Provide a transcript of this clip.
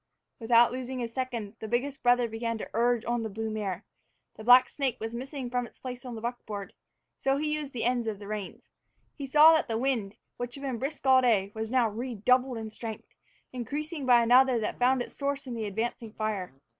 Without losing a second, the biggest brother began to urge on the blue mare. The black snake was missing from its place in the buckboard. So he used the ends of the reins. He saw that the wind, which had been brisk all day, was now redoubled in strength, increased by another that found its source in the advancing fire.